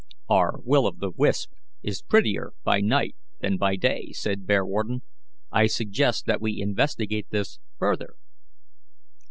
"Our Will o' the wisp is prettier by night than by day," said Bearwarden. "I suggest that we investigate this further."